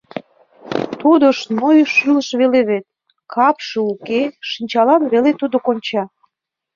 Тудо шнуй шӱлыш веле вет, капше уке, шинчалан веле тудо конча.